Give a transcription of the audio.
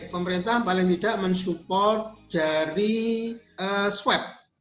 pemerintah paling tidak men support dari swab